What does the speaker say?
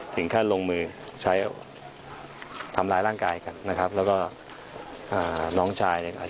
ถึงขั้นลงมือใช้ทำร้ายร่างกายกันนะครับแล้วก็อ่าน้องชายเนี่ย